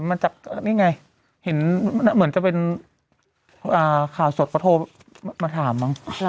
มันมาจากนี่ไงเห็นมันเหมือนจะเป็นอ่าข่าวสดเพราะโทรมาถามบ้าง